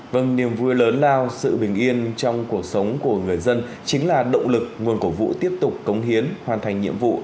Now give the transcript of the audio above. vâng niềm vui lớn lao sự bình yên trong cuộc sống của người dân chính là động lực nguồn cổ vũ tiếp tục cống hiến hoàn thành nhiệm vụ